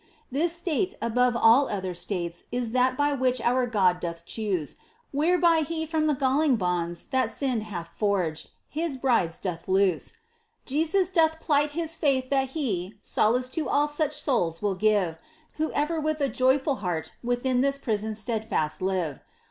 This state, above all other states, Is that by which our God doth choose 3 34 MINOR WORKS OF ST. TERESA. Whereby He from the galling bonds That sin hath forged, His brides doth loose. Jesus doth plight His faith that He Solace to all such souls will give, Who ever with a joyful heart Within this prison steadfast live.